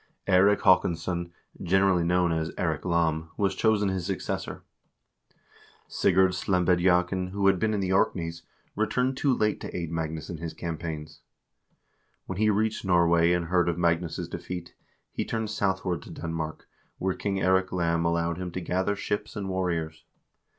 Eirik Haakonsson, generally known as Eirik Lam, was chosen his successor. Sigurd Slembediakn, who had been in the Orkneys, returned too late to aid Magnus in his campaigns. When he reached Norway, and heard of Magnus' defeat, he turned southward to Denmark, where King Eirik Lam allowed him to gather ships and warriors.